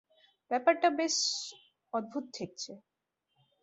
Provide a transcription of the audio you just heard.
ব্যাপারটা ব্যস অদ্ভুত ঠেকছে।